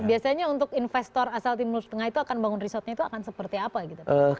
biasanya untuk investor asal timur tengah itu akan bangun resortnya itu akan seperti apa gitu